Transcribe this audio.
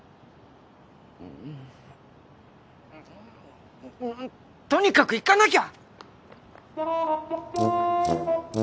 うんとにかく行かなきゃ！